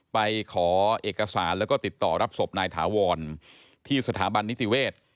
ไปขอเอกสารแล้วก็ติดต่อรับศพนายถาวรที่สถาบันนิติเวศ